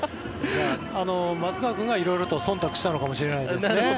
松川君が色々とそんたくしたのかもしれないですね。